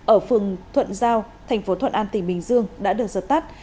ở phường thuận giao thành phố thuận an tỉnh bình dương đã được giật tắt